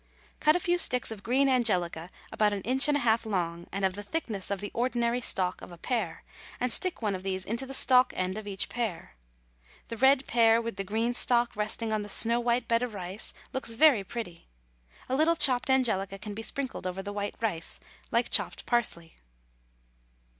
Cut a few sticks of green angelica about an inch and a half long and of the thickness of the ordinary stalk of a pear, and stick one of these into the stalk end of each pear. The red pear, with the green stalk resting on the snow white bed of rice, looks very pretty. A little chopped angelica can be sprinkled over the white rice, like chopped parsley.